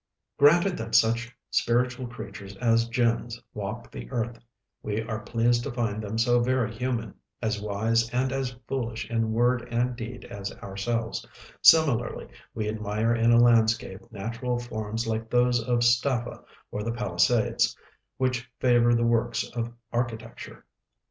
Granted that such spiritual creatures as Jinns walk the earth, we are pleased to find them so very human, as wise and as foolish in word and deed as ourselves; similarly we admire in a landscape natural forms like those of Staffa or the Palisades, which favor the works of architecture.